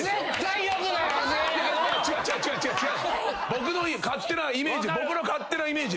僕の勝手なイメージ。